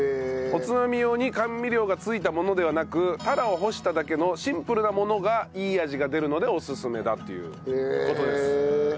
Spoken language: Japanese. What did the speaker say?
おつまみ用に甘味料がついたものではなく鱈を干しただけのシンプルなものがいい味が出るのでオススメだという事です。